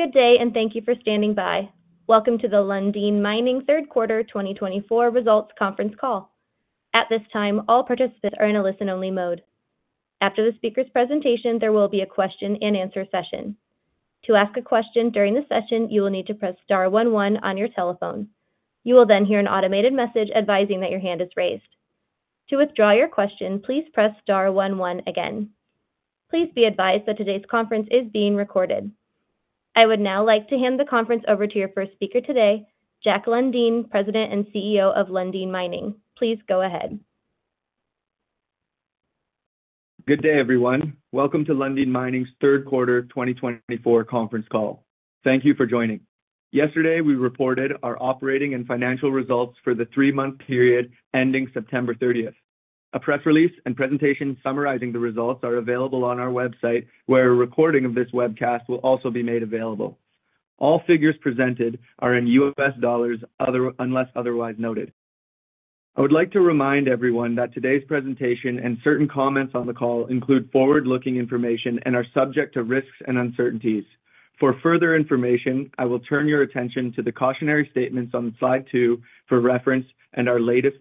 Good day, and thank you for standing by. Welcome to the Lundin Mining Q3 2024 results conference call. At this time, all participants are in a listen-only mode. After the speaker's presentation, there will be a question-and-answer session. To ask a question during the session, you will need to press star one one on your telephone. You will then hear an automated message advising that your hand is raised. To withdraw your question, please press star one one again. Please be advised that today's conference is being recorded. I would now like to hand the conference over to your first speaker today, Jack Lundin, President and CEO of Lundin Mining. Please go ahead. Good day, everyone. Welcome to Lundin Mining's Q3 2024 conference call. Thank you for joining. Yesterday, we reported our operating and financial results for the three-month period ending September 30. A press release and presentation summarizing the results are available on our website, where a recording of this webcast will also be made available. All figures presented are in U.S. dollars unless otherwise noted. I would like to remind everyone that today's presentation and certain comments on the call include forward-looking information and are subject to risks and uncertainties. For further information, I will turn your attention to the cautionary statements on slide two for reference and our latest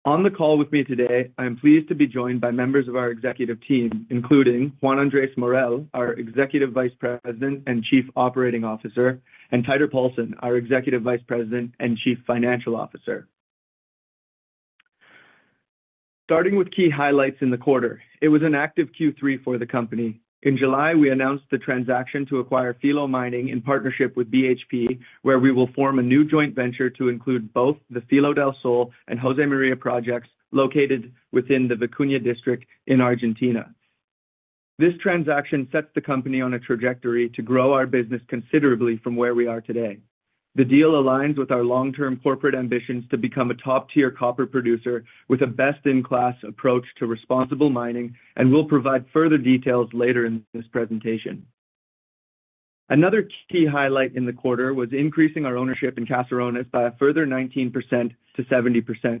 relevant filings on SEDAR. On the call with me today, I am pleased to be joined by members of our executive team, including Juan Andrés Morel, our Executive Vice President and Chief Operating Officer, and Teitur Poulsen, our Executive Vice President and Chief Financial Officer. Starting with key highlights in the quarter, it was an active Q3 for the company. In July, we announced the transaction to acquire Filo Mining in partnership with BHP, where we will form a new joint venture to include both the Filo del Sol and Josémaría projects located within the Vicuña district in Argentina. This transaction sets the company on a trajectory to grow our business considerably from where we are today. The deal aligns with our long-term corporate ambitions to become a top-tier copper producer with a best-in-class approach to responsible mining, and we'll provide further details later in this presentation. Another key highlight in the quarter was increasing our ownership in Casarones by a further 19% to 70%.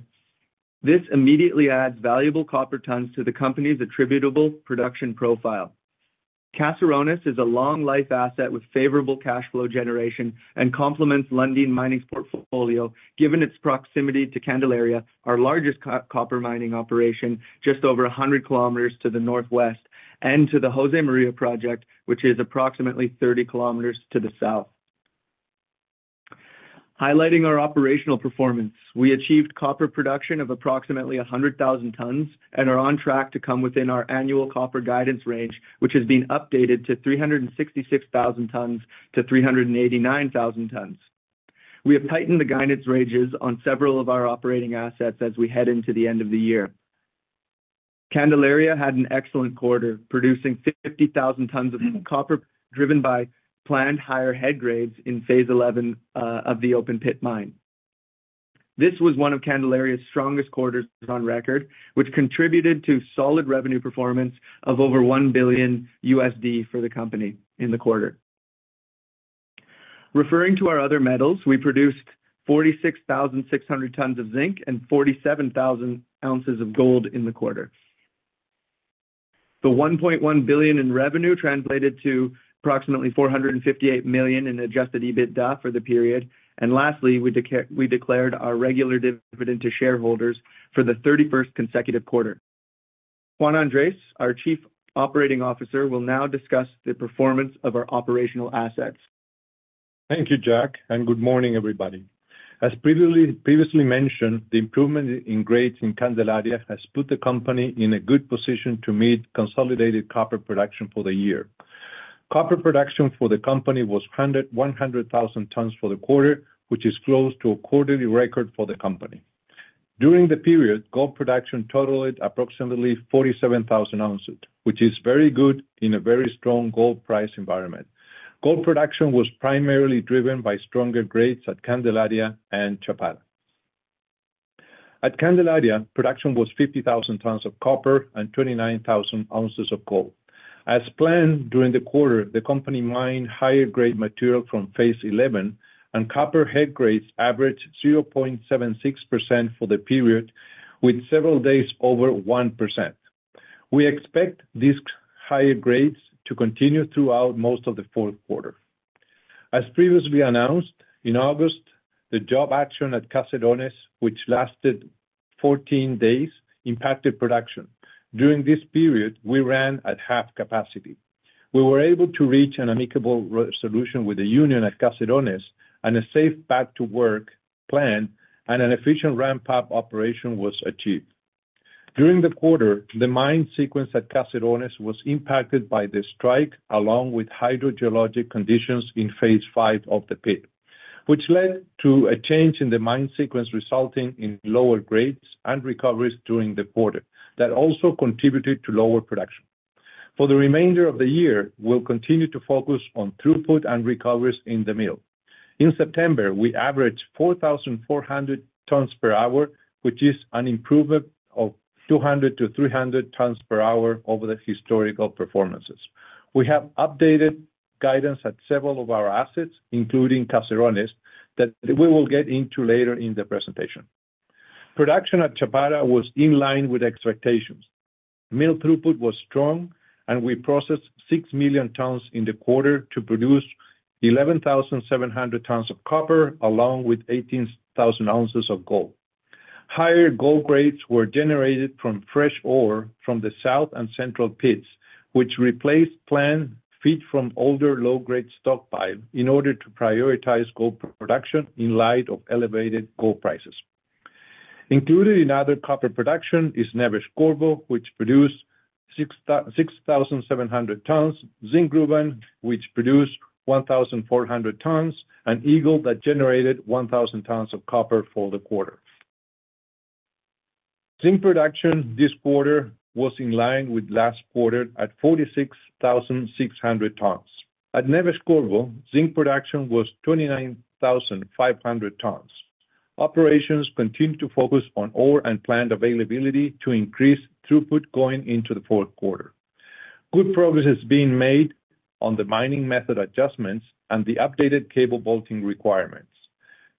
This immediately adds valuable copper tons to the company's attributable production profile. Casarones is a long-life asset with favorable cash flow generation and complements Lundin Mining's portfolio, given its proximity to Candelaria, our largest copper mining operation, just over 100 km to the northwest, and to the Josémaría project, which is approximately 30 km to the south. Highlighting our operational performance, we achieved copper production of approximately 100,000 tons and are on track to come within our annual copper guidance range, which has been updated to 366,000 tons-389,000 tons. We have tightened the guidance ranges on several of our operating assets as we head into the end of the year. Candelaria had an excellent quarter, producing 50,000 tons of copper driven by planned higher head grades in Phase 11 of the open pit mine. This was one of Candelaria's strongest quarters on record, which contributed to solid revenue performance of over $1 billion for the company in the quarter. Referring to our other metals, we produced 46,600 tons of zinc and 47,000 ounces of gold in the quarter. The $1.1 billion in revenue translated to approximately $458 million in adjusted EBITDA for the period. And lastly, we declared our regular dividend to shareholders for the 31st consecutive quarter. Juan Andrés, our Chief Operating Officer, will now discuss the performance of our operational assets. Thank you, Jack, and good morning, everybody. As previously mentioned, the improvement in grades in Candelaria has put the company in a good position to meet consolidated copper production for the year. Copper production for the company was 100,000 tons for the quarter, which is close to a quarterly record for the company. During the period, gold production totaled approximately 47,000 ounces, which is very good in a very strong gold price environment. Gold production was primarily driven by stronger grades at Candelaria and Chapada. At Candelaria, production was 50,000 tons of copper and 29,000 ounces of gold. As planned during the quarter, the company mined higher-grade material from phase 11, and copper head grades averaged 0.76% for the period, with several days over 1%. We expect these higher grades to continue throughout most of the fourth quarter. As previously announced, in August, the job action at Casarones, which lasted 14 days, impacted production. During this period, we ran at half capacity. We were able to reach an amicable resolution with the union at Casarones, and a safe back-to-work plan and an efficient ramp-up operation was achieved. During the quarter, the mine sequence at Casarones was impacted by the strike, along with hydrogeologic conditions in Phase V of the pit, which led to a change in the mine sequence, resulting in lower grades and recoveries during the quarter that also contributed to lower production. For the remainder of the year, we'll continue to focus on throughput and recoveries in the mill. In September, we averaged 4,400 tons per hour, which is an improvement of 200-300 tons per hour over the historical performances. We have updated guidance at several of our assets, including Casarones, that we will get into later in the presentation. Production at Chapada was in line with expectations. Mill throughput was strong, and we processed 6 million tons in the quarter to produce 11,700 tons of copper, along with 18,000 ounces of gold. Higher gold grades were generated from fresh ore from the south and central pits, which replaced planned feed from older low-grade stockpile in order to prioritize gold production in light of elevated gold prices. Included in other copper production is Neves-Corvo, which produced 6,700 tons, Zinkgruvan, which produced 1,400 tons, and Eagle, that generated 1,000 tons of copper for the quarter. Zinc production this quarter was in line with last quarter at 46,600 tons. At Neves-Corvo, zinc production was 29,500 tons. Operations continue to focus on ore and planned availability to increase throughput going into the fourth quarter. Good progress is being made on the mining method adjustments and the updated cable bolting requirements.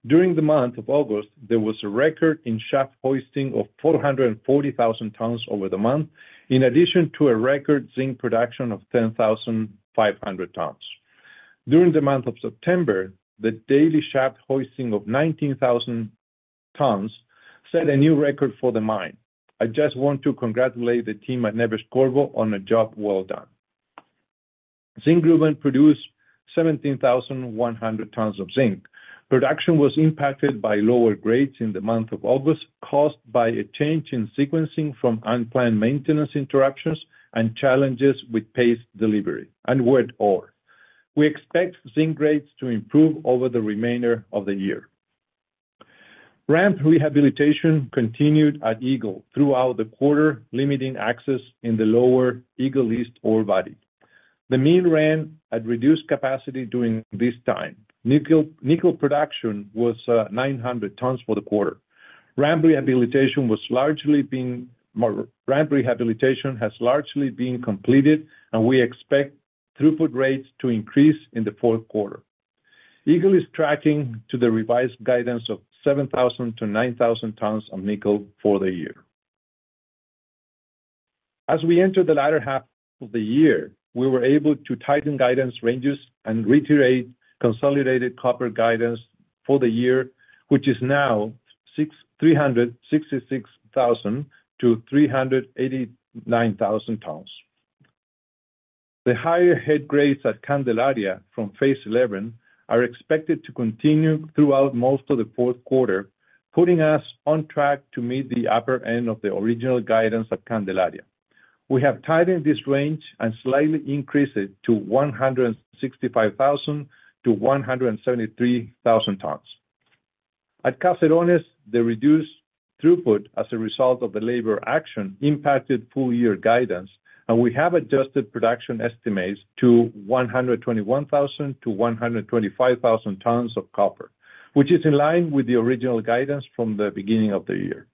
During the month of August, there was a record in shaft hoisting of 440,000 tons over the month, in addition to a record zinc production of 10,500 tons. During the month of September, the daily shaft hoisting of 19,000 tons set a new record for the mine. I just want to congratulate the team at Neves-Corvo on a job well done. Zinkgruvan produced 17,100 tons of zinc. Production was impacted by lower grades in the month of August, caused by a change in sequencing from unplanned maintenance interruptions and challenges with paste delivery and wet ore. We expect zinc grades to improve over the remainder of the year. Ramp rehabilitation continued at Eagle throughout the quarter, limiting access in the lower Eagle East ore body. The mill ran at reduced capacity during this time. Nickel production was 900 tons for the quarter. Ramp rehabilitation has largely been completed, and we expect throughput rates to increase in the fourth quarter. Eagle is tracking to the revised guidance of 7,000-9,000 tons of nickel for the year. As we entered the latter half of the year, we were able to tighten guidance ranges and reiterate consolidated copper guidance for the year, which is now 366,000-389,000 tons. The higher head grades at Candelaria from phase 11 are expected to continue throughout most of the fourth quarter, putting us on track to meet the upper end of the original guidance at Candelaria. We have tightened this range and slightly increased it to 165,000-173,000 tons. At Casarones, the reduced throughput as a result of the labor action impacted full-year guidance, and we have adjusted production estimates to 121,000-125,000 tons of copper, which is in line with the original guidance from the beginning of the year.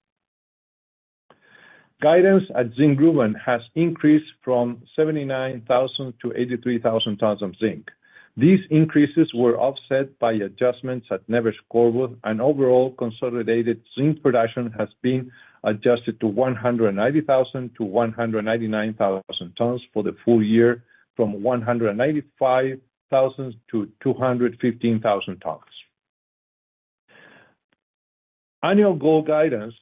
Guidance at Zinkgruvan has increased from 79,000-83,000 tons of zinc. These increases were offset by adjustments at Neves-Corvo, and overall consolidated zinc production has been adjusted to 190,000-199,000 tons for the full year, from 195,000-215,000 tons. Annual gold guidance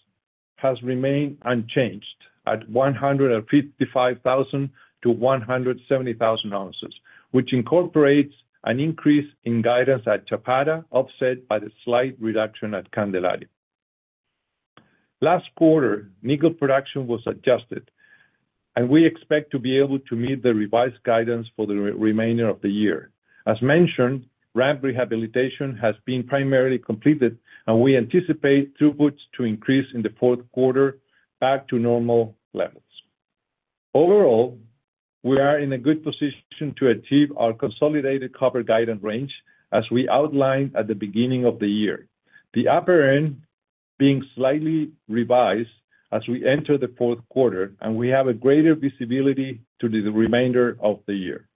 has remained unchanged at 155,000-170,000 ounces, which incorporates an increase in guidance at Chapada, offset by the slight reduction at Candelaria. Last quarter, nickel production was adjusted, and we expect to be able to meet the revised guidance for the remainder of the year. As mentioned, ramp rehabilitation has been primarily completed, and we anticipate throughputs to increase in the fourth quarter back to normal levels. Overall, we are in a good position to achieve our consolidated copper guidance range, as we outlined at the beginning of the year, the upper end being slightly revised as we enter the fourth quarter, and we have a greater visibility to the remainder of the year.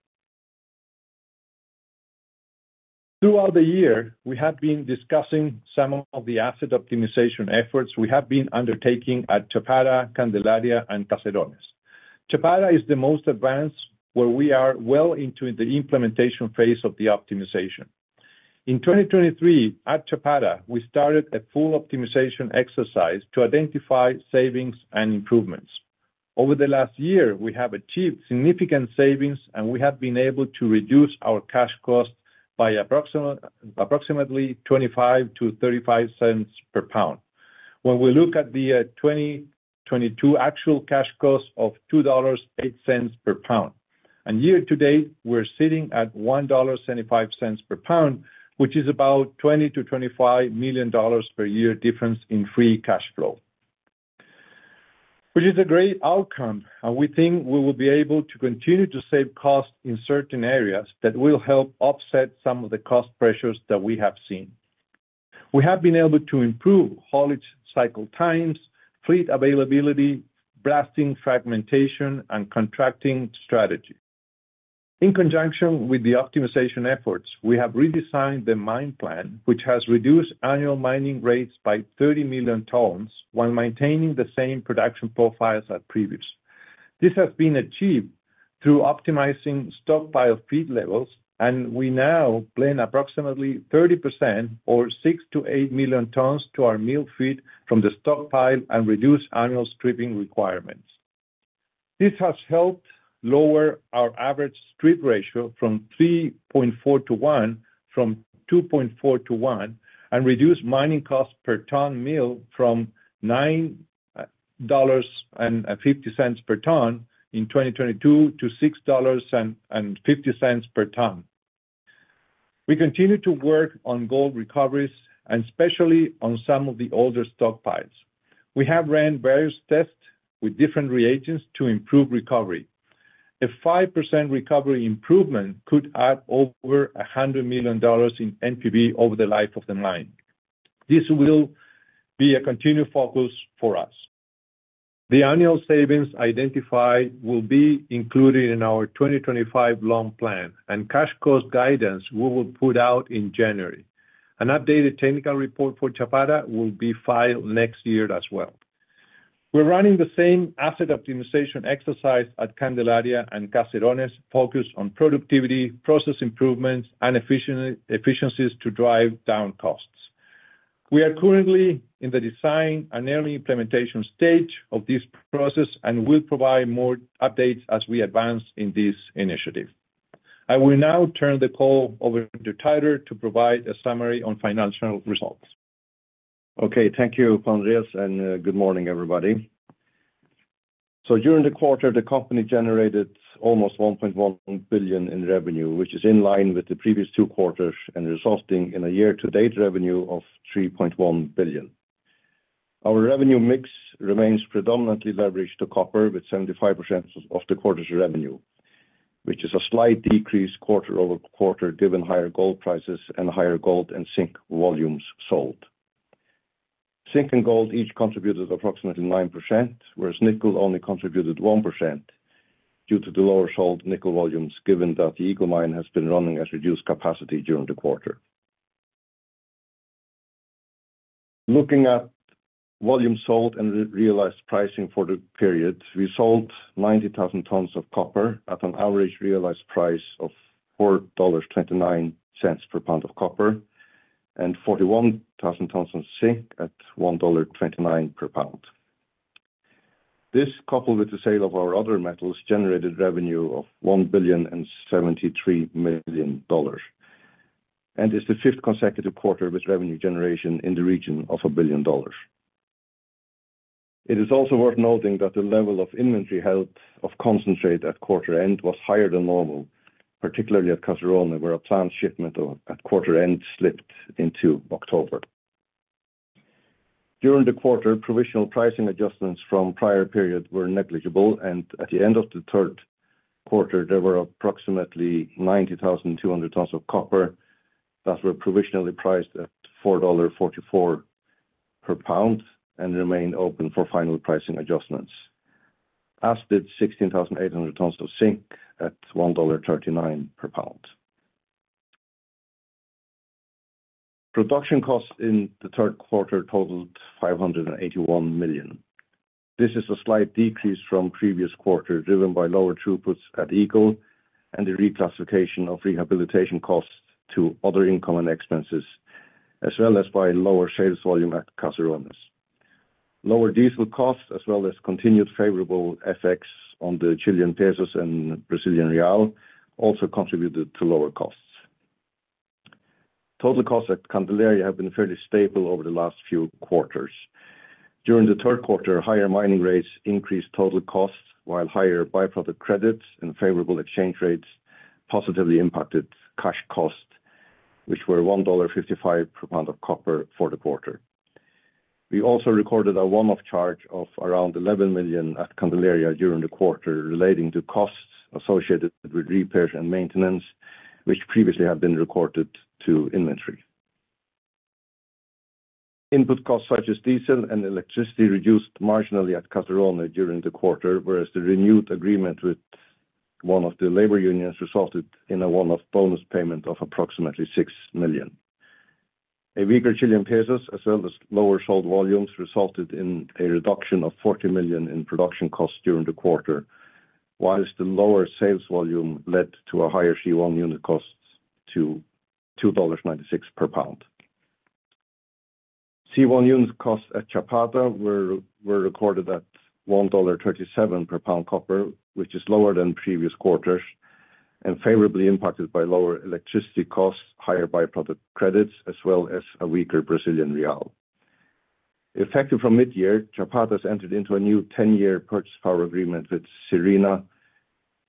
Throughout the year, we have been discussing some of the asset optimization efforts we have been undertaking at Chapada, Candelaria, and Casarones. Chapada is the most advanced, where we are well into the implementation phase of the optimization. In 2023, at Chapada, we started a full optimization exercise to identify savings and improvements. Over the last year, we have achieved significant savings, and we have been able to reduce our cash cost by approximately $0.25-$0.35 per pound. When we look at the 2022 actual cash cost of $2.08 per pound, and year to date, we're sitting at $1.75 per pound, which is about $20-$25 million per year difference in free cash flow, which is a great outcome. We think we will be able to continue to save costs in certain areas that will help offset some of the cost pressures that we have seen. We have been able to improve haulage cycle times, fleet availability, blasting fragmentation, and contracting strategy. In conjunction with the optimization efforts, we have redesigned the mine plan, which has reduced annual mining rates by 30 million tons while maintaining the same production profiles as previous. This has been achieved through optimizing stockpile feed levels, and we now blend approximately 30% or 6-8 million tons to our mill feed from the stockpile and reduce annual stripping requirements. This has helped lower our average strip ratio from 3.4 to 1, from 2.4 to 1, and reduce mining costs per ton mill from $9.50 per ton in 2022 to $6.50 per ton. We continue to work on gold recoveries, and especially on some of the older stockpiles. We have ran various tests with different reagents to improve recovery. A 5% recovery improvement could add over $100 million in NPV over the life of the mine. This will be a continued focus for us. The annual savings identified will be included in our 2025 loan plan, and cash cost guidance we will put out in January. An updated technical report for Chapada will be filed next year as well. We're running the same asset optimization exercise at Candelaria and Casarones, focused on productivity, process improvements, and efficiencies to drive down costs. We are currently in the design and early implementation stage of this process and will provide more updates as we advance in this initiative. I will now turn the call over to Teitur to provide a summary on financial results. Okay, thank you, Juan Andrés, and good morning, everybody. So during the quarter, the company generated almost $1.1 billion in revenue, which is in line with the previous two quarters and resulting in a year-to-date revenue of $3.1 billion. Our revenue mix remains predominantly leveraged to copper, with 75% of the quarter's revenue, which is a slight decrease quarter over quarter given higher gold prices and higher gold and zinc volumes sold. Zinc and gold each contributed approximately 9%, whereas nickel only contributed 1% due to the lower sold nickel volumes, given that the Eagle Mine has been running at reduced capacity during the quarter. Looking at volume sold and realized pricing for the period, we sold 90,000 tons of copper at an average realized price of $4.29 per pound of copper and 41,000 tons of zinc at $1.29 per pound. This, coupled with the sale of our other metals, generated revenue of $1.73 billion and is the fifth consecutive quarter with revenue generation in the region of $1 billion. It is also worth noting that the level of inventory held of concentrate at quarter end was higher than normal, particularly at Casarones, where a planned shipment at quarter end slipped into October. During the quarter, provisional pricing adjustments from prior periods were negligible, and at the end of the third quarter, there were approximately 90,200 tons of copper that were provisionally priced at $4.44 per pound and remain open for final pricing adjustments, as did 16,800 tons of zinc at $1.39 per pound. Production costs in the third quarter totaled $581 million. This is a slight decrease from previous quarter driven by lower throughputs at Eagle and the reclassification of rehabilitation costs to other income and expenses, as well as by lower sales volume at Casarones. Lower diesel costs, as well as continued favorable effects on the Chilean pesos and Brazilian real, also contributed to lower costs. Total costs at Candelaria have been fairly stable over the last few quarters. During the third quarter, higher mining rates increased total costs, while higher byproduct credits and favorable exchange rates positively impacted cash costs, which were $1.55 per pound of copper for the quarter. We also recorded a one-off charge of around $11 million at Candelaria during the quarter relating to costs associated with repairs and maintenance, which previously had been reported to inventory. Input costs such as diesel and electricity reduced marginally at Casarones during the quarter, whereas the renewed agreement with one of the labor unions resulted in a one-off bonus payment of approximately $6 million. A weaker Chilean peso, as well as lower sold volumes, resulted in a reduction of $40 million in production costs during the quarter, while the lower sales volume led to a higher C1 unit cost to $2.96 per pound. C1 unit costs at Chapada were recorded at $1.37 per pound copper, which is lower than previous quarters and favorably impacted by lower electricity costs, higher byproduct credits, as well as a weaker Brazilian real. Effective from mid-year, Chapada has entered into a new 10-year purchase power agreement with Serena,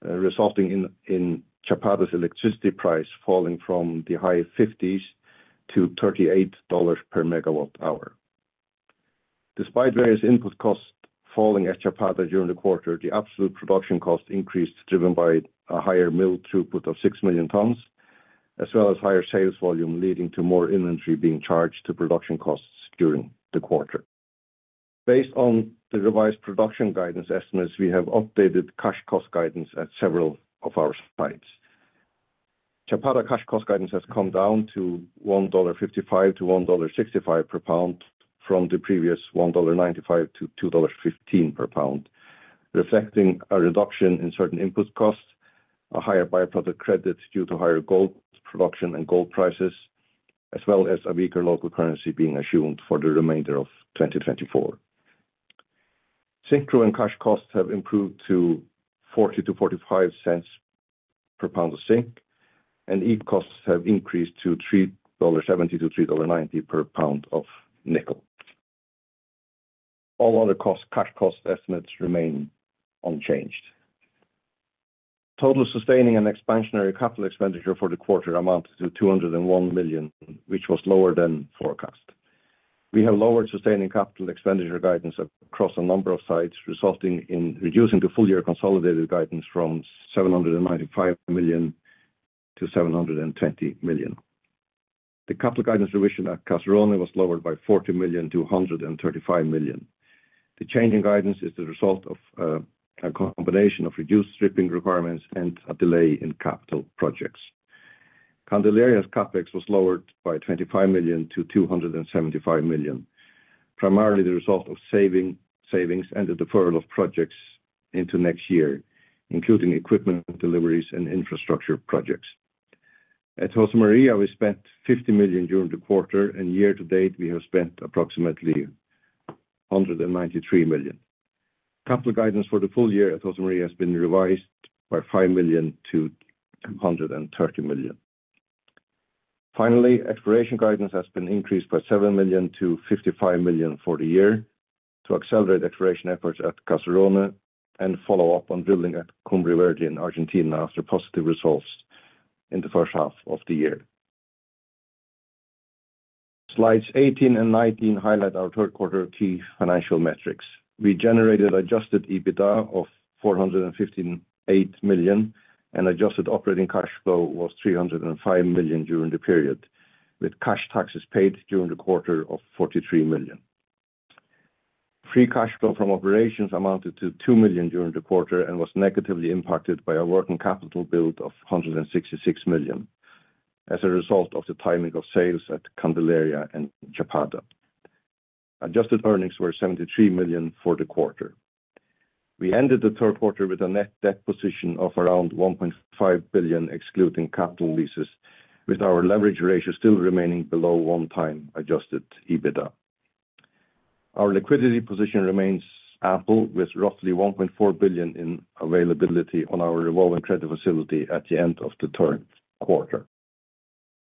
resulting in Chapada's electricity price falling from the high 50s to $38 per megawatt hour. Despite various input costs falling at Chapada during the quarter, the absolute production cost increased driven by a higher mill throughput of 6 million tons, as well as higher sales volume, leading to more inventory being charged to production costs during the quarter. Based on the revised production guidance estimates, we have updated cash cost guidance at several of our sites. Chapada cash cost guidance has come down to $1.55-$1.65 per pound from the previous $1.95-$2.15 per pound, reflecting a reduction in certain input costs, a higher byproduct credit due to higher gold production and gold prices, as well as a weaker local currency being assumed for the remainder of 2024. Zinkgruvan cash costs have improved to $0.40-$0.45 per pound of zinc, and Eagle costs have increased to $3.70-$3.90 per pound of nickel. All other cash cost estimates remain unchanged. Total sustaining and expansionary capital expenditure for the quarter amounted to $201 million, which was lower than forecast. We have lowered sustaining capital expenditure guidance across a number of sites, resulting in reducing the full-year consolidated guidance from $795 million-$720 million. The capital guidance revision at Casarones was lowered by $40 million-$135 million. The changing guidance is the result of a combination of reduced stripping requirements and a delay in capital projects. Candelaria's CapEx was lowered by $25 million-$275 million, primarily the result of savings and the deferral of projects into next year, including equipment deliveries and infrastructure projects. At Josémaría, we spent $50 million during the quarter, and year to date, we have spent approximately $193 million. Capital guidance for the full year at Josémaría has been revised by $5 million-$230 million. Finally, exploration guidance has been increased by $7 million-$55 million for the year to accelerate exploration efforts at Casarones and follow up on drilling at Cumbre Verde in Argentina after positive results in the first half of the year. Slides 18 and 19 highlight our third quarter key financial metrics. We generated Adjusted EBITDA of $458 million, and adjusted operating cash flow was $305 million during the period, with cash taxes paid during the quarter of $43 million. Free cash flow from operations amounted to $2 million during the quarter and was negatively impacted by a working capital build of $166 million as a result of the timing of sales at Candelaria and Chapada. Adjusted earnings were $73 million for the quarter. We ended the third quarter with a net debt position of around $1.5 billion excluding capital leases, with our leverage ratio still remaining below one times adjusted EBITDA. Our liquidity position remains ample with roughly $1.4 billion in availability on our revolving credit facility at the end of the third quarter.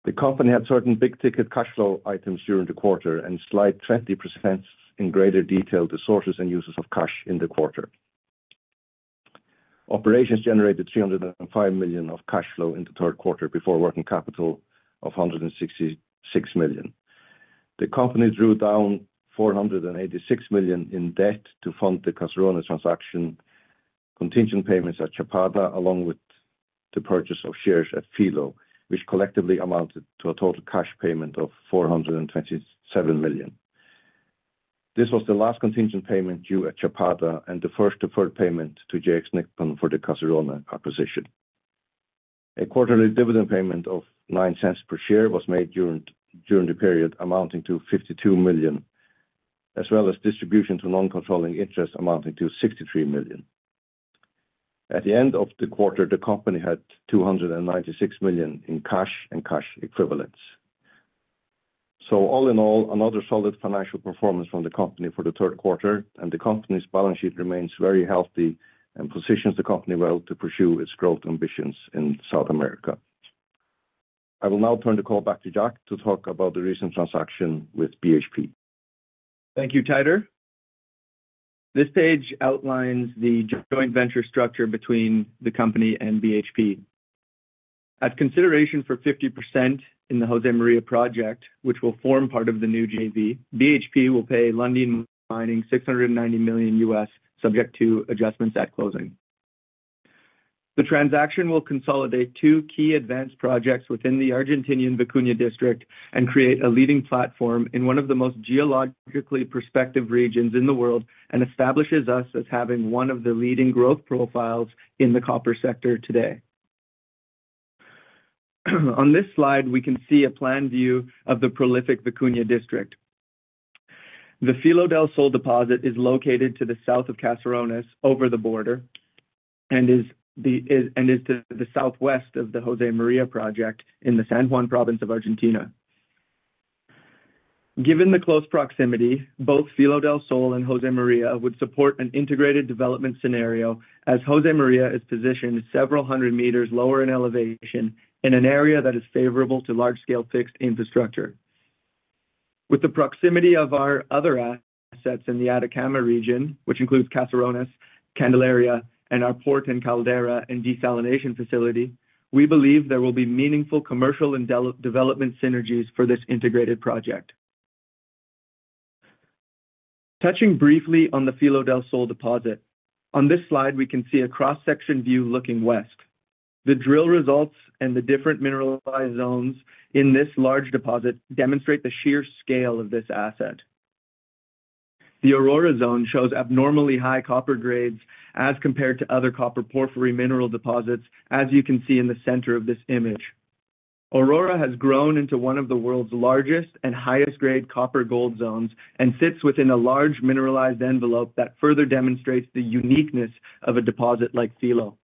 The company had certain big-ticket cash flow items during the quarter and Slide 20 in greater detail the sources and uses of cash in the quarter. Operations generated $305 million of cash flow in the third quarter before working capital of $166 million. The company drew down $486 million in debt to fund the Casarones transaction contingent payments at Chapada, along with the purchase of shares at Filo, which collectively amounted to a total cash payment of $427 million. This was the last contingent payment due at Chapada and the first deferred payment to JX Nippon for the Casarones acquisition. A quarterly dividend payment of $0.09 per share was made during the period, amounting to $52 million, as well as distribution to non-controlling interest amounting to $63 million. At the end of the quarter, the company had $296 million in cash and cash equivalents. So all in all, another solid financial performance from the company for the third quarter, and the company's balance sheet remains very healthy and positions the company well to pursue its growth ambitions in South America. I will now turn the call back to Jack to talk about the recent transaction with BHP. Thank you, Teitur. This page outlines the joint venture structure between the company and BHP. At consideration for 50% in the Josémaría project, which will form part of the new JV, BHP will pay Lundin Mining $690 million, subject to adjustments at closing. The transaction will consolidate two key advanced projects within the Argentinian Vicuña District and create a leading platform in one of the most geologically prospective regions in the world and establishes us as having one of the leading growth profiles in the copper sector today. On this slide, we can see a plan view of the prolific Vicuña District. The Filo del Sol Deposit is located to the south of Casarones over the border and is to the southwest of the Josémaría project in the San Juan Province of Argentina. Given the close proximity, both Filo del Sol and Josémaría would support an integrated development scenario as Josémaría is positioned several hundred meters lower in elevation in an area that is favorable to large-scale fixed infrastructure. With the proximity of our other assets in the Atacama region, which includes Casarones, Candelaria, and our port in Caldera and desalination facility, we believe there will be meaningful commercial and development synergies for this integrated project. Touching briefly on the Filo del Sol Deposit, on this slide, we can see a cross-section view looking west. The drill results and the different mineralized zones in this large deposit demonstrate the sheer scale of this asset. The Aurora zone shows abnormally high copper grades as compared to other copper porphyry mineral deposits, as you can see in the center of this image. Aurora has grown into one of the world's largest and highest-grade copper gold zones and sits within a large mineralized envelope that further demonstrates the uniqueness of a deposit like Filo.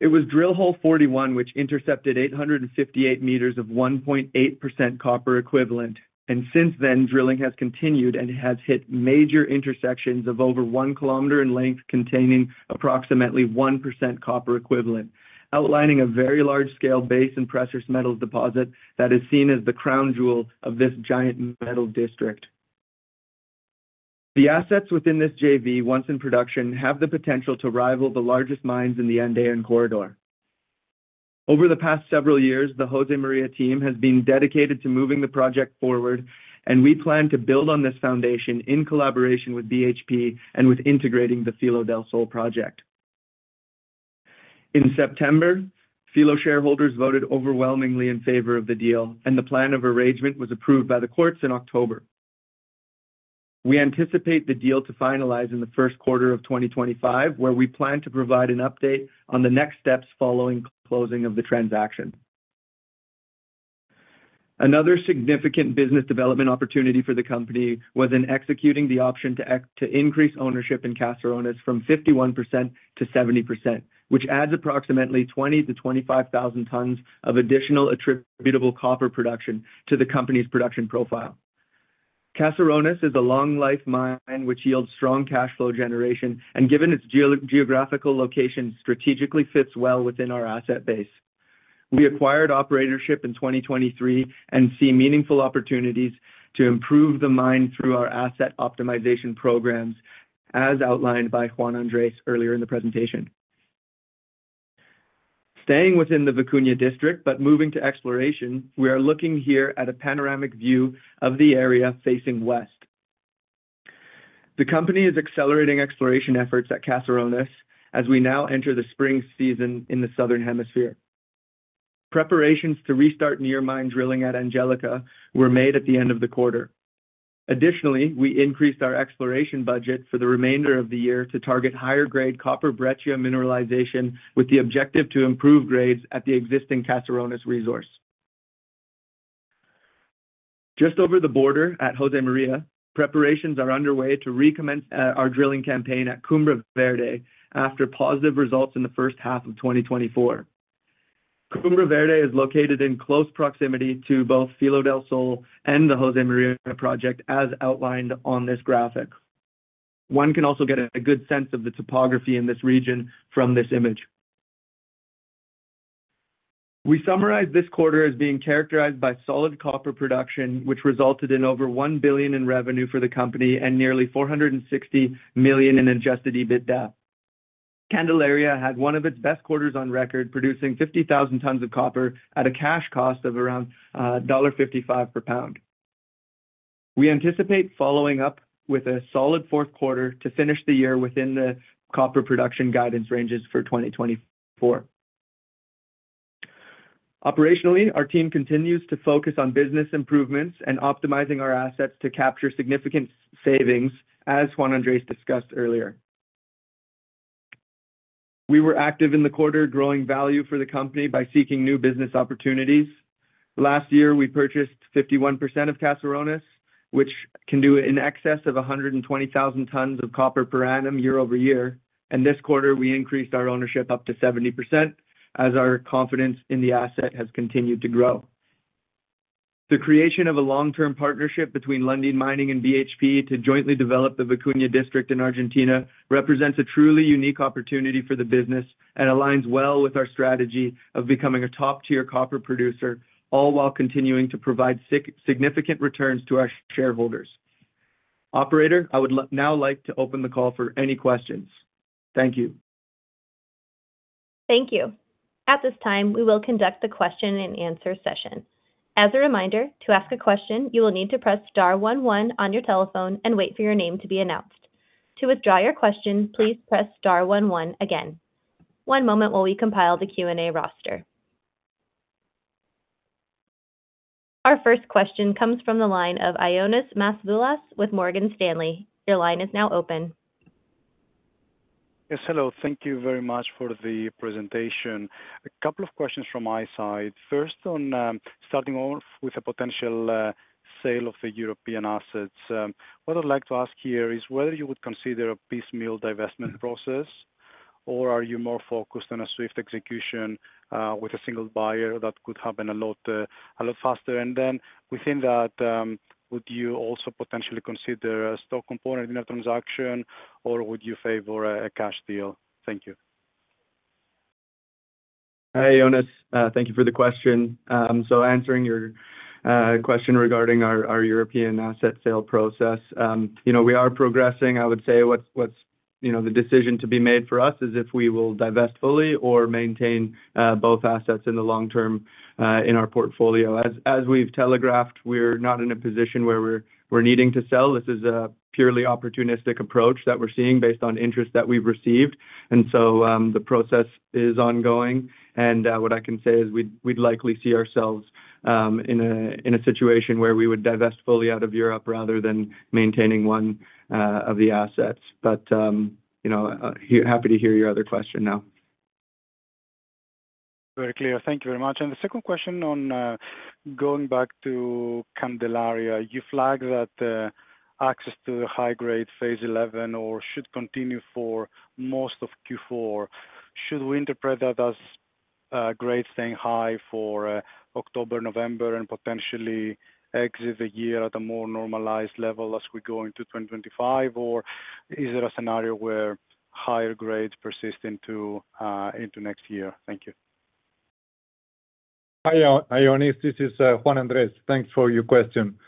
It was drill hole 41 which intercepted 858 meters of 1.8% copper equivalent, and since then, drilling has continued and has hit major intersections of over one kilometer in length containing approximately 1% copper equivalent, outlining a very large-scale base and precious metals deposit that is seen as the crown jewel of this giant metal district. The assets within this JV, once in production, have the potential to rival the largest mines in the Andean corridor. Over the past several years, the Josémaría team has been dedicated to moving the project forward, and we plan to build on this foundation in collaboration with BHP and with integrating the Filo del Sol project. In September, Filo shareholders voted overwhelmingly in favor of the deal, and the plan of arrangement was approved by the courts in October. We anticipate the deal to finalize in the first quarter of 2025, where we plan to provide an update on the next steps following closing of the transaction. Another significant business development opportunity for the company was in executing the option to increase ownership in Casarones from 51%-70%, which adds approximately 20,000-25,000 tons of additional attributable copper production to the company's production profile. Casarones is a long-life mine which yields strong cash flow generation, and given its geographical location, strategically fits well within our asset base. We acquired operatorship in 2023 and see meaningful opportunities to improve the mine through our asset optimization programs, as outlined by Juan Andrés earlier in the presentation. Staying within the Vicuña District but moving to exploration, we are looking here at a panoramic view of the area facing west. The company is accelerating exploration efforts at Casarones as we now enter the spring season in the southern hemisphere. Preparations to restart near mine drilling at Angélica were made at the end of the quarter. Additionally, we increased our exploration budget for the remainder of the year to target higher-grade copper breccia mineralization with the objective to improve grades at the existing Casarones resource. Just over the border at Josémaría, preparations are underway to recommence our drilling campaign at Cumbre Verde after positive results in the first half of 2024. Cumbre Verde is located in close proximity to both Filo del Sol and the Josémaría project, as outlined on this graphic. One can also get a good sense of the topography in this region from this image. We summarize this quarter as being characterized by solid copper production, which resulted in over $1 billion in revenue for the company and nearly $460 million in adjusted EBITDA. Candelaria had one of its best quarters on record, producing 50,000 tons of copper at a cash cost of around $1.55 per pound. We anticipate following up with a solid fourth quarter to finish the year within the copper production guidance ranges for 2024. Operationally, our team continues to focus on business improvements and optimizing our assets to capture significant savings, as Juan Andrés discussed earlier. We were active in the quarter, growing value for the company by seeking new business opportunities. Last year, we purchased 51% of Casarones, which can do in excess of 120,000 tons of copper per annum year over year, and this quarter, we increased our ownership up to 70% as our confidence in the asset has continued to grow. The creation of a long-term partnership between Lundin Mining and BHP to jointly develop the Vicuña District in Argentina represents a truly unique opportunity for the business and aligns well with our strategy of becoming a top-tier copper producer, all while continuing to provide significant returns to our shareholders. Operator, I would now like to open the call for any questions. Thank you. Thank you. At this time, we will conduct the question-and-answer session. As a reminder, to ask a question, you will need to press star one one on your telephone and wait for your name to be announced. To withdraw your question, please press star one one again. One moment while we compile the Q&A roster. Our first question comes from the line of Ioannis Masvoulas with Morgan Stanley. Your line is now open. Yes, hello. Thank you very much for the presentation. A couple of questions from my side. First, on starting off with a potential sale of the European assets, what I'd like to ask here is whether you would consider a piecemeal divestment process, or are you more focused on a swift execution with a single buyer that could happen a lot faster, and then within that, would you also potentially consider a stock component in a transaction, or would you favor a cash deal? Thank you. Hi, Ioannis. Thank you for the question. So answering your question regarding our European asset sale process, we are progressing. I would say what's the decision to be made for us is if we will divest fully or maintain both assets in the long term in our portfolio. As we've telegraphed, we're not in a position where we're needing to sell. This is a purely opportunistic approach that we're seeing based on interest that we've received. And so the process is ongoing. And what I can say is we'd likely see ourselves in a situation where we would divest fully out of Europe rather than maintaining one of the assets. But happy to hear your other question now. Very clear. Thank you very much, and the second question on going back to Candelaria, you flagged that access to the high-grade phase 11 should continue for most of Q4. Should we interpret that as grades staying high for October, November, and potentially exit the year at a more normalized level as we go into 2025, or is there a scenario where higher grades persist into next year? Thank you. Hi, Ioannis. This is Juan Andrés. Thanks for your question.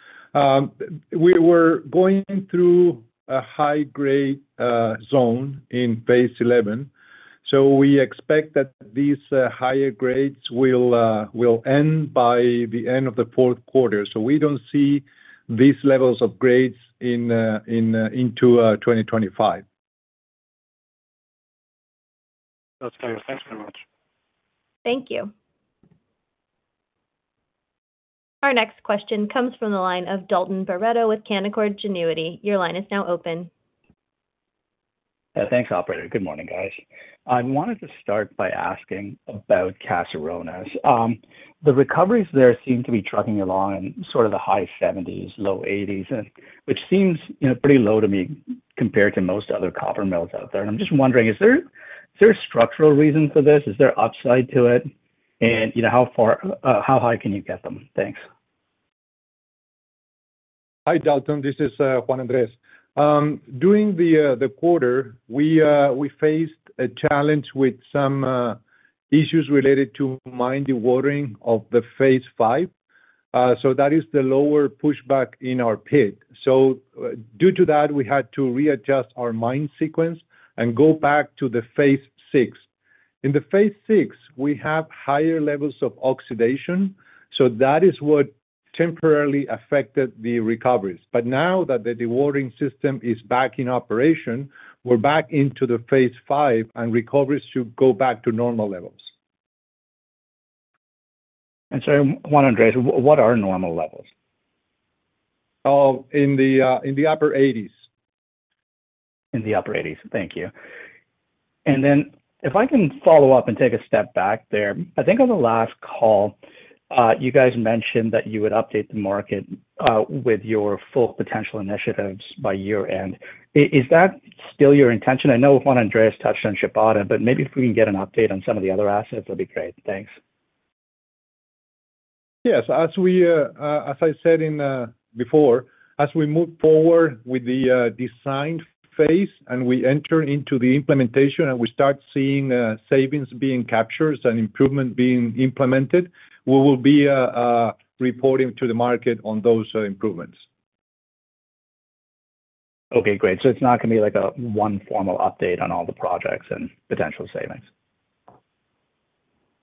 We were going through a high-grade zone in Phase XI. So we expect that these higher grades will end by the end of the fourth quarter. So we don't see these levels of grades into 2025. That's clear. Thanks very much. Thank you. Our next question comes from the line of Dalton Baretto with Canaccord Genuity. Your line is now open. Thanks, Operator. Good morning, guys. I wanted to start by asking about Casarones. The recoveries there seem to be trucking along in sort of the high 70s%, low 80s%, which seems pretty low to me compared to most other copper mills out there. And I'm just wondering, is there a structural reason for this? Is there upside to it? And how high can you get them? Thanks. Hi, Dalton. This is Juan Andrés. During the quarter, we faced a challenge with some issues related to mine dewatering of the phase V. So that is the lower pushback in our pit. So due to that, we had to readjust our mine sequence and go back to the Phase VI. In the Phase VI, we have higher levels of oxidation. So that is what temporarily affected the recoveries. But now that the dewatering system is back in operation, we're back into the Phase V, and recoveries should go back to normal levels. And so, Juan Andrés, what are normal levels? In the upper 80s. In the upper 80s. Thank you, and then if I can follow up and take a step back there, I think on the last call, you guys mentioned that you would update the market with your full potential initiatives by year-end. Is that still your intention? I know Juan Andrés touched on Chapada, but maybe if we can get an update on some of the other assets, that'd be great. Thanks. Yes. As I said before, as we move forward with the design phase and we enter into the implementation and we start seeing savings being captured and improvement being implemented, we will be reporting to the market on those improvements. Okay, great. So it's not going to be like a one formal update on all the projects and potential savings.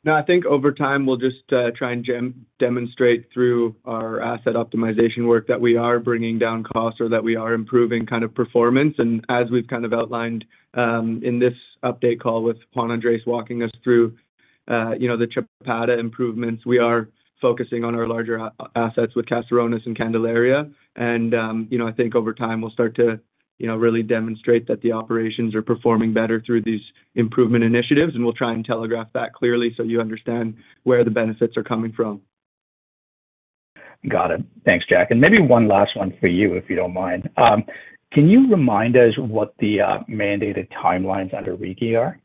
No, I think over time, we'll just try and demonstrate through our asset optimization work that we are bringing down costs or that we are improving kind of performance. As we've kind of outlined in this update call with Juan Andrés walking us through the Chapada improvements, we are focusing on our larger assets with Casarones and Candelaria. I think over time, we'll start to really demonstrate that the operations are performing better through these improvement initiatives, and we'll try and telegraph that clearly so you understand where the benefits are coming from. Got it. Thanks, Jack. And maybe one last one for you, if you don't mind. Can you remind us what the mandated timelines under REGI are?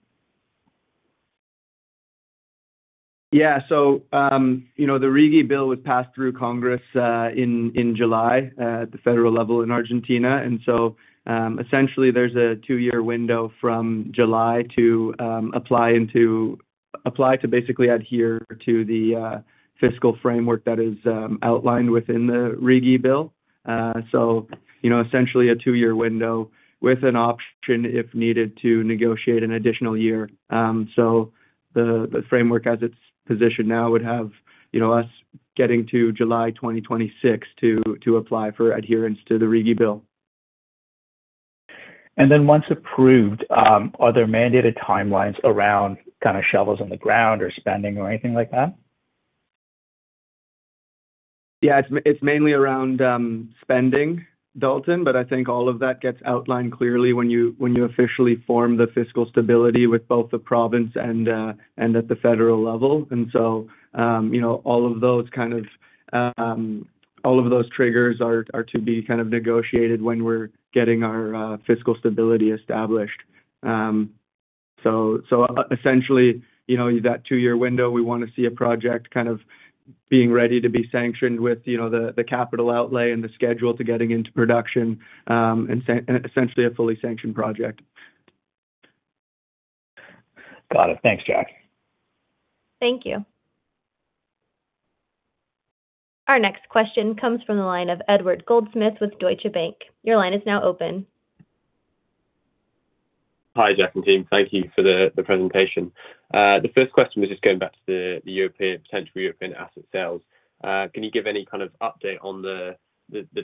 Yeah. So the RIGI bill was passed through Congress in July at the federal level in Argentina. And so essentially, there's a two-year window from July to apply to basically adhere to the fiscal framework that is outlined within the REGI bill. So essentially, a two-year window with an option, if needed, to negotiate an additional year. So the framework, as it's positioned now, would have us getting to July 2026 to apply for adherence to the RIGI bill. And then once approved, are there mandated timelines around kind of shovels in the ground or spending or anything like that? Yeah, it's mainly around spending, Dalton, but I think all of that gets outlined clearly when you officially form the fiscal stability with both the province and at the federal level, and so all of those kind of all of those triggers are to be kind of negotiated when we're getting our fiscal stability established, so essentially, that two-year window, we want to see a project kind of being ready to be sanctioned with the capital outlay and the schedule to getting into production and essentially a fully sanctioned project. Got it. Thanks, Jack. Thank you. Our next question comes from the line of Edward Goldsmith with Deutsche Bank. Your line is now open. Hi, Jack and team. Thank you for the presentation. The first question was just going back to the potential European asset sales. Can you give any kind of update on the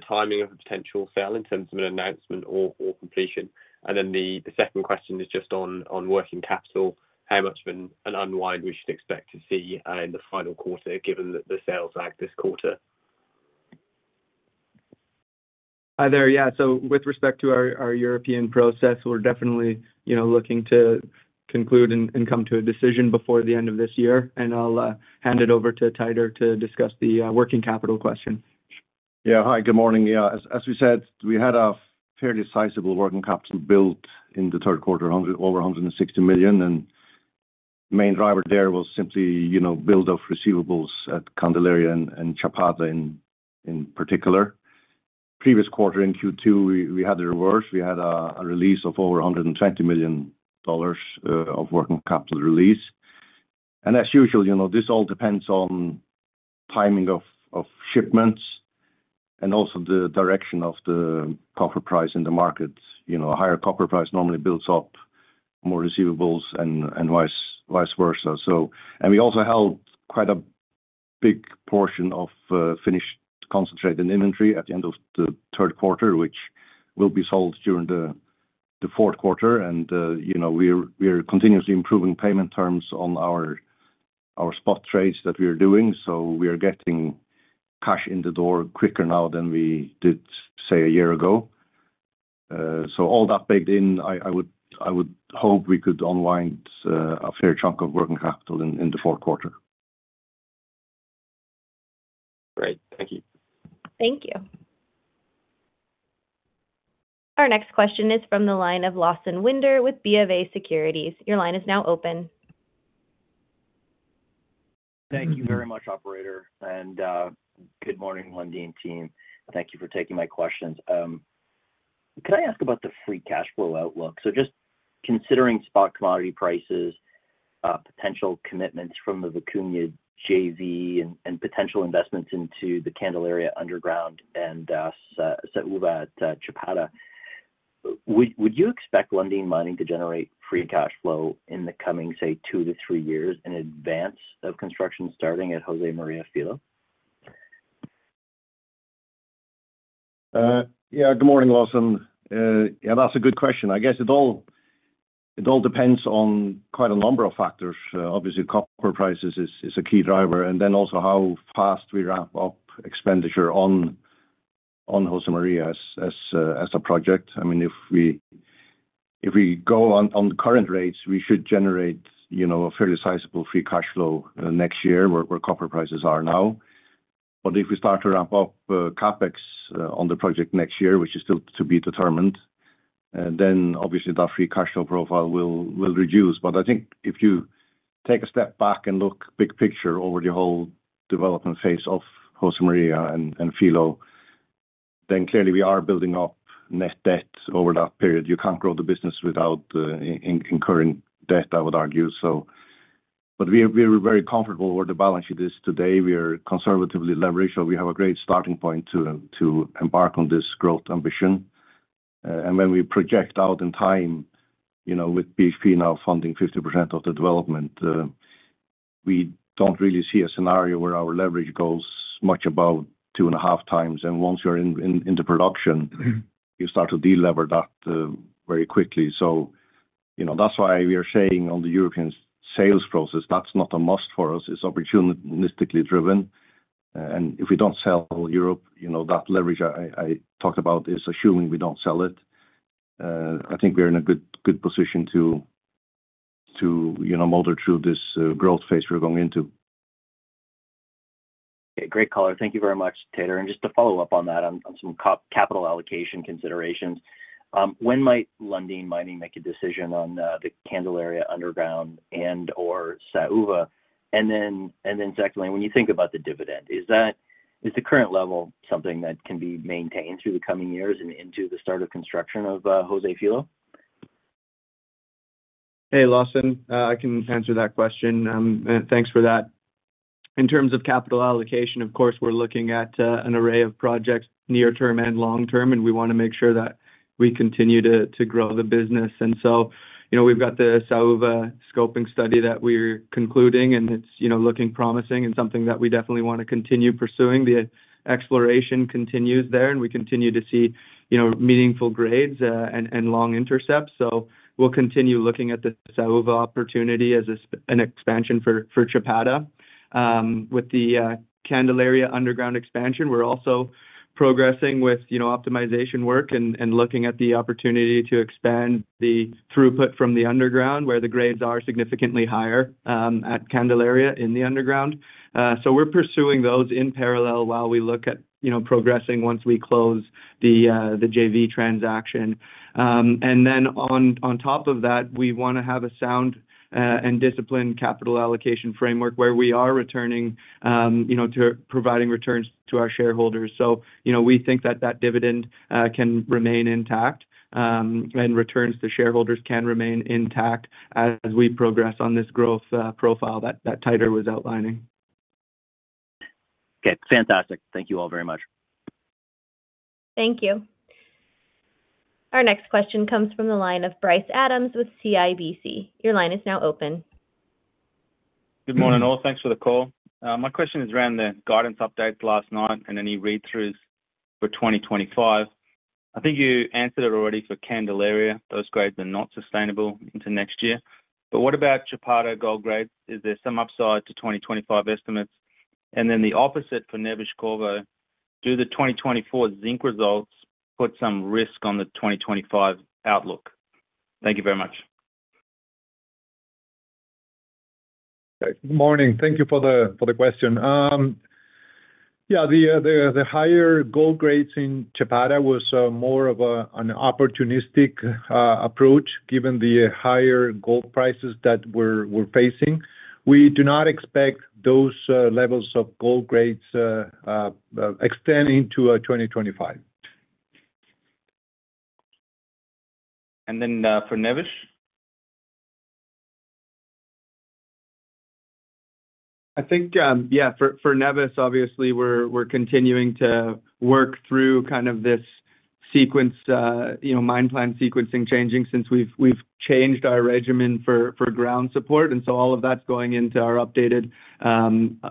timing of a potential sale in terms of an announcement or completion? And then the second question is just on working capital, how much of an unwind we should expect to see in the final quarter given the sales lag this quarter. Hi there. Yeah, so with respect to our European process, we're definitely looking to conclude and come to a decision before the end of this year, and I'll hand it over to Teitur to discuss the working capital question. Yeah. Hi, good morning. Yeah. As we said, we had a fairly sizable working capital build in the third quarter, over $160 million. The main driver there was simply build-up of receivables at Candelaria and Chapada in particular. Previous quarter in Q2, we had a reverse. We had a release of over $120 million of working capital release. As usual, this all depends on timing of shipments and also the direction of the copper price in the market. A higher copper price normally builds up more receivables and vice versa. We also held quite a big portion of finished concentrate inventory at the end of the third quarter, which will be sold during the fourth quarter. We are continuously improving payment terms on our spot trades that we are doing. So we are getting cash in the door quicker now than we did, say, a year ago. All that baked in, I would hope we could unwind a fair chunk of working capital in the fourth quarter. Great. Thank you. Thank you. Our next question is from the line of Lawson Winder with B of A Securities. Your line is now open. Thank you very much, Operator, and good morning, Lundin team. Thank you for taking my questions. Can I ask about the free cash flow outlook, so just considering spot commodity prices, potential commitments from the Vicuña JV, and potential investments into the Candelaria Underground and Chapada, would you expect Lundin Mining to generate free cash flow in the coming, say, two to three years in advance of construction starting at Josémaría Filo? Yeah. Good morning, Lawson. Yeah, that's a good question. I guess it all depends on quite a number of factors. Obviously, copper prices is a key driver. Then also how fast we wrap up expenditure on Josémaría as a project. I mean, if we go on current rates, we should generate a fairly sizable free cash flow next year where copper prices are now. But if we start to wrap up CapEx on the project next year, which is still to be determined, then obviously that free cash flow profile will reduce. I think if you take a step back and look big picture over the whole development phase of Josémaría and Filo, then clearly we are building up net debt over that period. You can't grow the business without incurring debt, I would argue. We're very comfortable where the balance sheet is today. We are conservatively leveraged, so we have a great starting point to embark on this growth ambition, and when we project out in time with BHP now funding 50% of the development, we don't really see a scenario where our leverage goes much above two and a half times, and once you're into production, you start to de-lever that very quickly, so that's why we are saying on the European sales process, that's not a must for us. It's opportunistically driven, and if we don't sell Europe, that leverage I talked about is assuming we don't sell it. I think we're in a good position to motor through this growth phase we're going into. Okay. Great, caller. Thank you very much, Teitur. And just to follow up on that, on some capital allocation considerations, when might Lundin Mining make a decision on the Candelaria Underground and/or Saúva? And then secondly, when you think about the dividend, is the current level something that can be maintained through the coming years and into the start of construction of Josémaría Filo? Hey, Lawson. I can answer that question. Thanks for that. In terms of capital allocation, of course, we're looking at an array of projects near term and long term, and we want to make sure that we continue to grow the business. We've got the Saúva scoping study that we're concluding, and it's looking promising and something that we definitely want to continue pursuing. The exploration continues there, and we continue to see meaningful grades and long intercepts. We'll continue looking at the Saúva opportunity as an expansion for Chapada. With the Candelaria Underground expansion, we're also progressing with optimization work and looking at the opportunity to expand the throughput from the underground where the grades are significantly higher at Candelaria in the underground. We're pursuing those in parallel while we look at progressing once we close the JV transaction. And then on top of that, we want to have a sound and disciplined capital allocation framework where we are returning to providing returns to our shareholders. So we think that that dividend can remain intact and returns to shareholders can remain intact as we progress on this growth profile that Teitur was outlining. Okay. Fantastic. Thank you all very much. Thank you. Our next question comes from the line of Bryce Adams with CIBC. Your line is now open. Good morning, all. Thanks for the call. My question is around the guidance updates last night and any read-throughs for 2025. I think you answered it already for Candelaria. Those grades are not sustainable into next year. But what about Chapada gold grades? Is there some upside to 2025 estimates? And then the opposite for Neves-Corvo? Do the 2024 zinc results put some risk on the 2025 outlook? Thank you very much. Good morning. Thank you for the question. Yeah, the higher gold grades in Chapada was more of an opportunistic approach given the higher gold prices that we're facing. We do not expect those levels of gold grades extending to 2025. And then for Neves? I think, yeah, for Neves, obviously, we're continuing to work through kind of this sequence, mine plan sequencing changing since we've changed our regime for ground support. And so all of that's going into our updated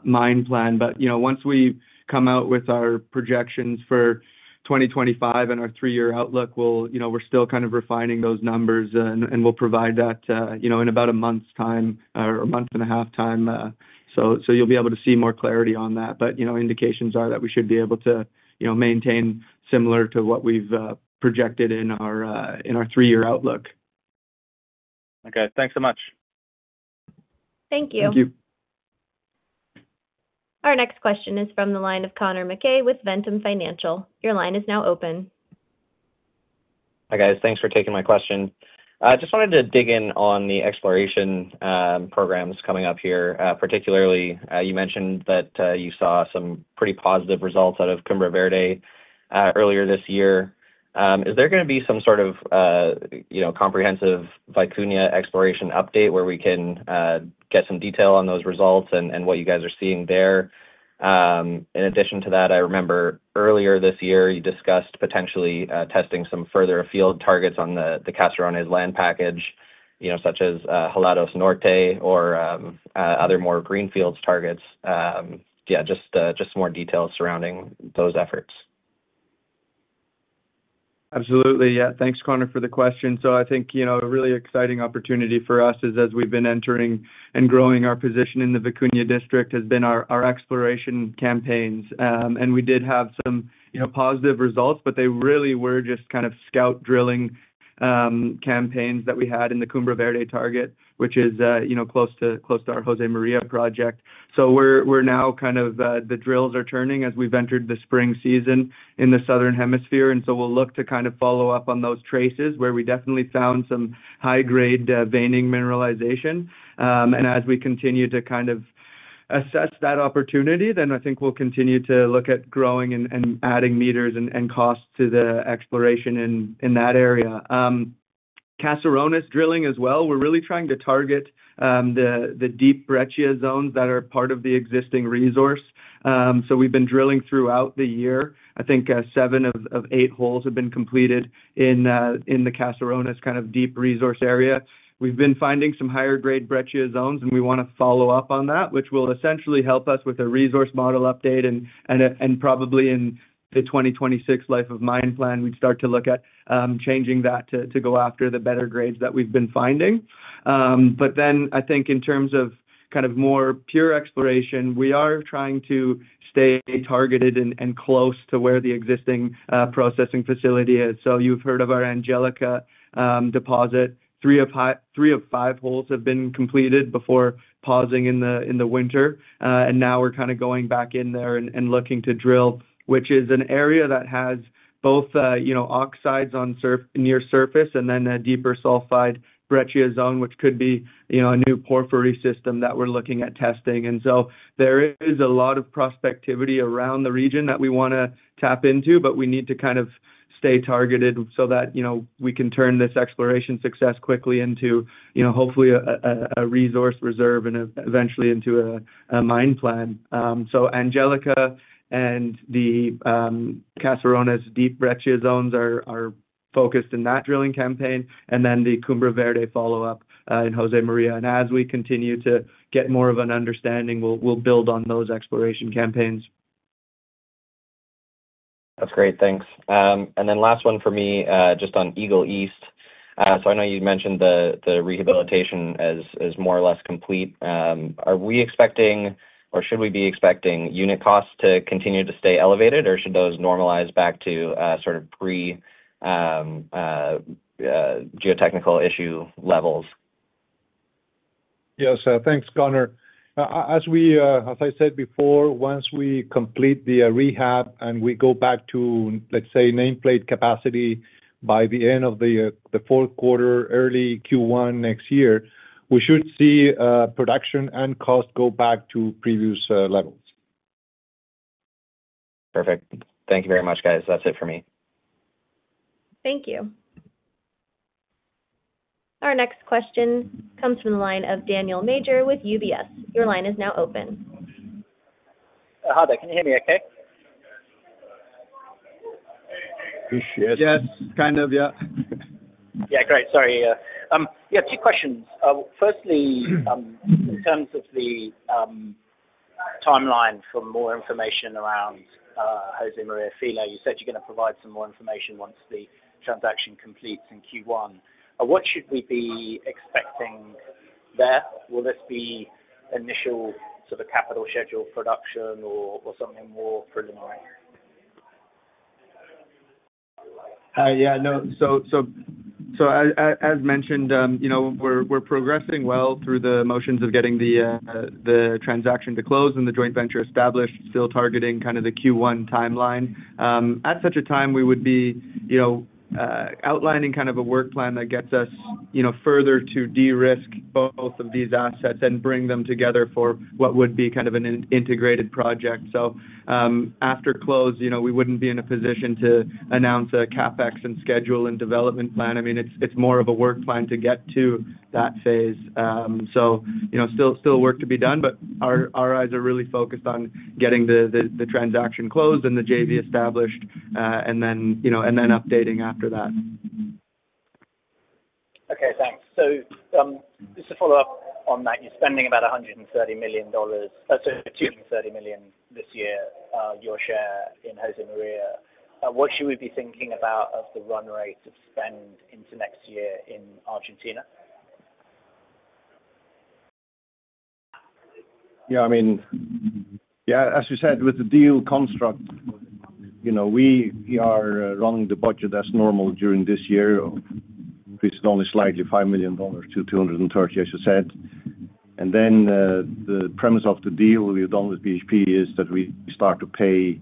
mine plan. But once we come out with our projections for 2025 and our three-year outlook, we're still kind of refining those numbers, and we'll provide that in about a month's time or a month and a half time. So you'll be able to see more clarity on that. But indications are that we should be able to maintain similar to what we've projected in our three-year outlook. Okay. Thanks so much. Thank you. Thank you. Our next question is from the line of Connor McKay with Ventum Financial. Your line is now open. Hi guys. Thanks for taking my question. Just wanted to dig in on the exploration programs coming up here. Particularly, you mentioned that you saw some pretty positive results out of Cumbre Verde earlier this year. Is there going to be some sort of comprehensive Vicuña exploration update where we can get some detail on those results and what you guys are seeing there? In addition to that, I remember earlier this year, you discussed potentially testing some further field targets on the Casarones land package, such as Helados Norte or other more greenfields targets. Yeah, just some more details surrounding those efforts. Absolutely. Yeah. Thanks, Connor, for the question. So I think a really exciting opportunity for us is, as we've been entering and growing our position in the Vicuña District, has been our exploration campaigns. And we did have some positive results, but they really were just kind of scout drilling campaigns that we had in the Cumbre Verde target, which is close to our Josémaría project. So we're now kind of the drills are turning as we've entered the spring season in the southern hemisphere. And so we'll look to kind of follow up on those traces where we definitely found some high-grade veining mineralization. And as we continue to kind of assess that opportunity, then I think we'll continue to look at growing and adding meters and costs to the exploration in that area. Casarones drilling as well. We're really trying to target the deep breccia zones that are part of the existing resource. So we've been drilling throughout the year. I think seven of eight holes have been completed in the Casarones kind of deep resource area. We've been finding some higher-grade breccia zones, and we want to follow up on that, which will essentially help us with a resource model update. And probably in the 2026 life of mine plan, we'd start to look at changing that to go after the better grades that we've been finding. But then I think in terms of kind of more pure exploration, we are trying to stay targeted and close to where the existing processing facility is. So you've heard of our Angélica deposit. Three of five holes have been completed before pausing in the winter. And now we're kind of going back in there and looking to drill, which is an area that has both oxides near surface and then a deeper sulfide breccia zone, which could be a new porphyry system that we're looking at testing. And so there is a lot of prospectivity around the region that we want to tap into, but we need to kind of stay targeted so that we can turn this exploration success quickly into hopefully a resource reserve and eventually into a mine plan. So Angélica and the Casarones deep breccia zones are focused in that drilling campaign, and then the Cumbre Verde follow-up in Josémaría. And as we continue to get more of an understanding, we'll build on those exploration campaigns. That's great. Thanks, and then last one for me just on Eagle East, so I know you mentioned the rehabilitation is more or less complete. Are we expecting or should we be expecting unit costs to continue to stay elevated, or should those normalize back to sort of pre-geotechnical issue levels? Yes. Thanks, Connor. As I said before, once we complete the rehab and we go back to, let's say, nameplate capacity by the end of the fourth quarter, early Q1 next year, we should see production and cost go back to previous levels. Perfect. Thank you very much, guys. That's it for me. Thank you. Our next question comes from the line of Daniel Major with UBS. Your line is now open. Hi there. Can you hear me okay? Yes. Kind of, yeah. Yeah. Great. Sorry. Yeah. Two questions. Firstly, in terms of the timeline for more information around Josémaría Filo, you said you're going to provide some more information once the transaction completes in Q1. What should we be expecting there? Will this be initial sort of capital schedule production or something more preliminary? Yeah. So as mentioned, we're progressing well through the motions of getting the transaction to close and the joint venture established, still targeting kind of the Q1 timeline. At such a time, we would be outlining kind of a work plan that gets us further to de-risk both of these assets and bring them together for what would be kind of an integrated project. So after close, we wouldn't be in a position to announce a CapEx and schedule and development plan. I mean, it's more of a work plan to get to that phase. So still work to be done, but our eyes are really focused on getting the transaction closed and the JV established and then updating after that. Okay. Thanks. So just to follow up on that, you're spending about $130 million this year, your share in Josémaría. What should we be thinking about of the run rate to spend into next year in Argentina? Yeah. I mean, yeah, as you said, with the deal construct, we are running the budget as normal during this year. It's only slightly $5 million-$230 million, as you said. And then the premise of the deal we've done with BHP is that we start to pay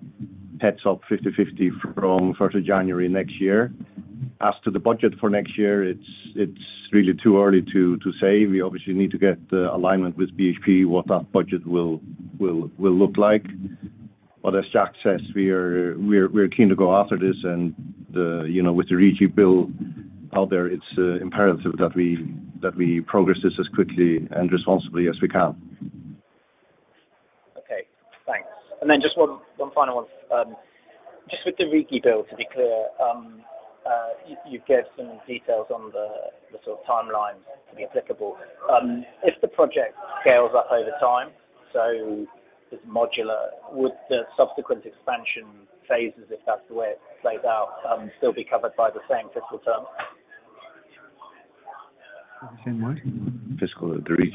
50/50 from 1st of January next year. As to the budget for next year, it's really too early to say. We obviously need to get alignment with BHP on what that budget will look like. But as Jack says, we're keen to go after this. And with the RIGI bill out there, it's imperative that we progress this as quickly and responsibly as we can. Okay. Thanks. And then just one final one. Just with the REGI bill, to be clear, you've given some details on the sort of timeline to be applicable. If the project scales up over time, so it's modular, would the subsequent expansion phases, if that's the way it plays out, still be covered by the same fiscal terms? Fiscal of the region.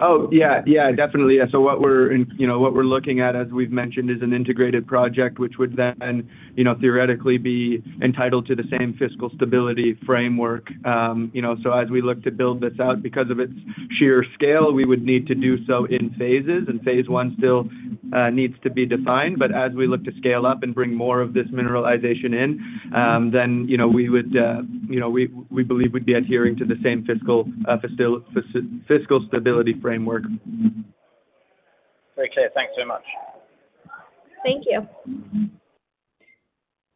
Oh, yeah. Yeah. Definitely. So what we're looking at, as we've mentioned, is an integrated project, which would then theoretically be entitled to the same fiscal stability framework. So as we look to build this out, because of its sheer scale, we would need to do so in phases. And phase one still needs to be defined. But as we look to scale up and bring more of this mineralization in, then we would, we believe, be adhering to the same fiscal stability framework. Okay. Thanks very much. Thank you.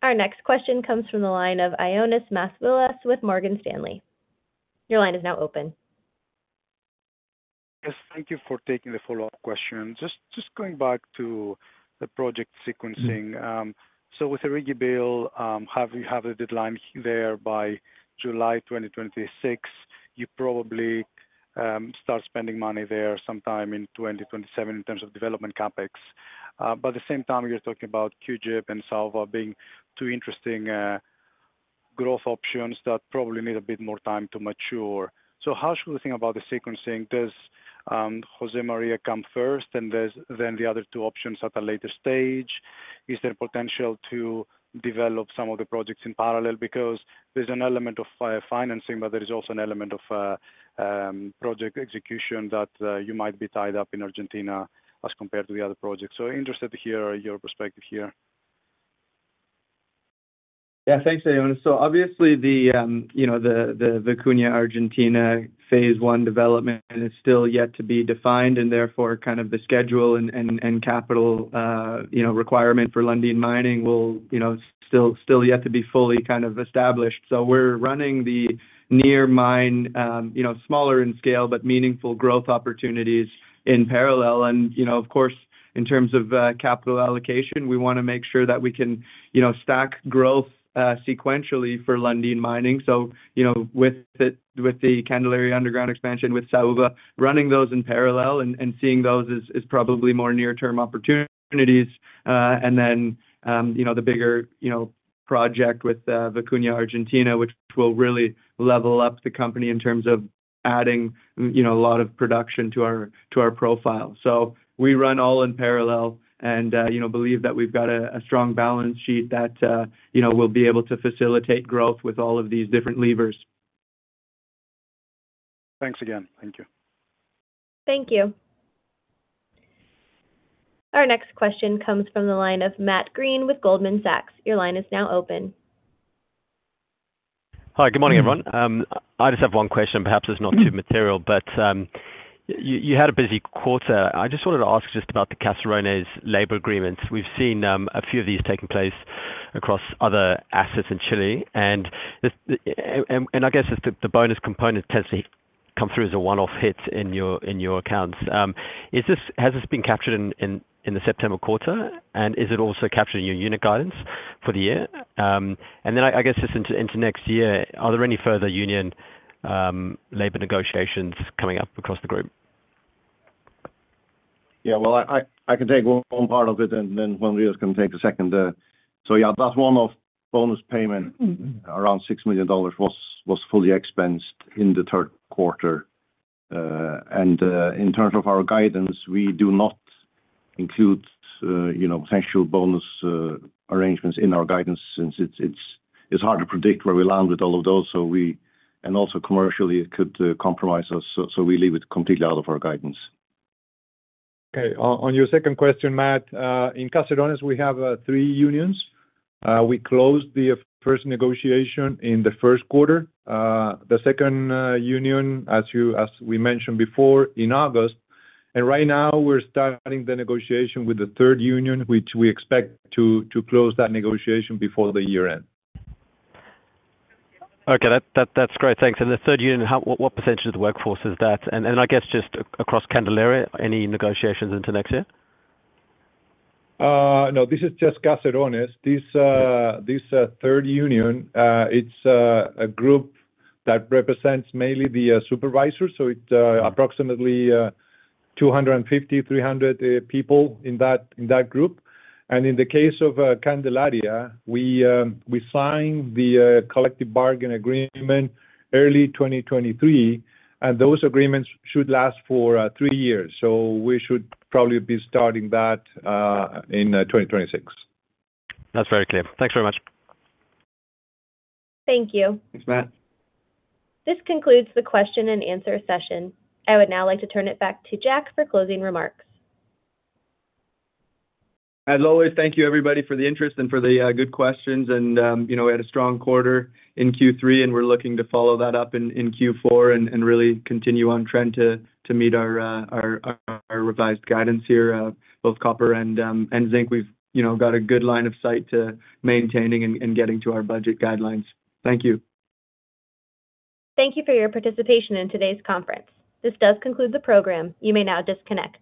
Our next question comes from the line of Ioannis Masvoulas with Morgan Stanley. Your line is now open. Yes. Thank you for taking the follow-up question. Just going back to the project sequencing. So with the RIGI bill, you have a deadline there by July 2026. You probably start spending money there sometime in 2027 in terms of development CapEx. But at the same time, you're talking about CGP and Saúva being two interesting growth options that probably need a bit more time to mature. So how should we think about the sequencing? Does Josémaría come first and then the other two options at a later stage? Is there potential to develop some of the projects in parallel? Because there's an element of financing, but there is also an element of project execution that you might be tied up in Argentina as compared to the other projects. So interested to hear your perspective here. Yeah. Thanks, Ionas. So obviously, the Vicuña Argentina phase one development is still yet to be defined. And therefore, kind of the schedule and capital requirement for Lundin Mining will still yet to be fully kind of established. So we're running the near mine, smaller in scale, but meaningful growth opportunities in parallel. And of course, in terms of capital allocation, we want to make sure that we can stack growth sequentially for Lundin Mining. So with the Candelaria underground expansion with Saúva, running those in parallel and seeing those is probably more near-term opportunities. And then the bigger project with Vicuña Argentina, which will really level up the company in terms of adding a lot of production to our profile. So we run all in parallel and believe that we've got a strong balance sheet that will be able to facilitate growth with all of these different levers. Thanks again. Thank you. Thank you. Our next question comes from the line of Matt Greene with Goldman Sachs. Your line is now open. Hi. Good morning, everyone. I just have one question. Perhaps it's not too material, but you had a busy quarter. I just wanted to ask just about the Casarones labor agreements. We've seen a few of these taking place across other assets in Chile. And I guess the bonus component tends to come through as a one-off hit in your accounts. Has this been captured in the September quarter? And is it also captured in your unit guidance for the year? And then I guess just into next year, are there any further union labor negotiations coming up across the group? Yeah. Well, I can take one part of it, and then Juan Andrés Morel can take the second. So yeah, that one-off bonus payment around $6 million was fully expensed in the third quarter. And in terms of our guidance, we do not include potential bonus arrangements in our guidance since it's hard to predict where we land with all of those. And also commercially, it could compromise us. So we leave it completely out of our guidance. Okay. On your second question, Matt, in Casarones, we have three unions. We closed the first negotiation in the first quarter. The second union, as we mentioned before, in August. And right now, we're starting the negotiation with the third union, which we expect to close that negotiation before the year-end. Okay. That's great. Thanks. And the third union, what percentage of the workforce is that? And I guess just across Candelaria, any negotiations into next year? No, this is just Casarones. This third union, it's a group that represents mainly the supervisors. So it's approximately 250-300 people in that group. And in the case of Candelaria, we signed the collective bargaining agreement early 2023. And those agreements should last for three years. So we should probably be starting that in 2026. That's very clear. Thanks very much. Thank you. Thanks, Matt. This concludes the question and answer session. I would now like to turn it back to Jack for closing remarks. As always, thank you, everybody, for the interest and for the good questions. And we had a strong quarter in Q3, and we're looking to follow that up in Q4 and really continue on trend to meet our revised guidance here. Both copper and zinc, we've got a good line of sight to maintaining and getting to our budget guidelines. Thank you. Thank you for your participation in today's conference. This does conclude the program. You may now disconnect.